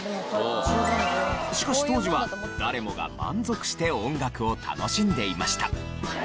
しかし当時は誰もが満足して音楽を楽しんでいました。